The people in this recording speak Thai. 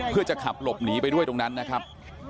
เพื่อจะขับหลบหนีไปด้วยตรงนั้นนะครับ